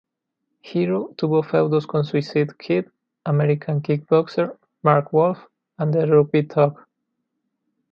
Hero tuvo feudos con Suicide Kid, American Kickboxer, Mark Wolf and the Rugby Thug.